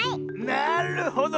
なるほど！